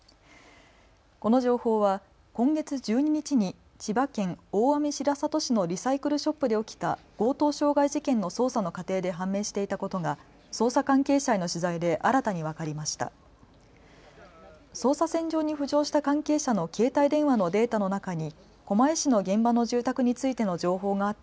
この情報は今月１２日に千葉県大網白里市のリサイクルショップで起きた強盗傷害事件の捜査の過程で判明していたことが捜査関係者への取材で新たに分かりました。